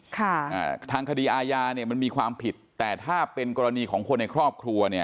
ค่ะอ่าทางคดีอาญาเนี่ยมันมีความผิดแต่ถ้าเป็นกรณีของคนในครอบครัวเนี่ย